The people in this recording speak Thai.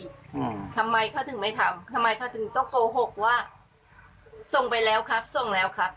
อืมทำไมเขาถึงไม่ทำทำไมเขาถึงต้องโกหกว่าส่งไปแล้วครับส่งแล้วครับ